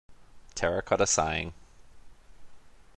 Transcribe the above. Terracotta Sighing.